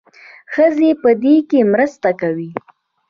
ښځې په دې کې مرسته کوي.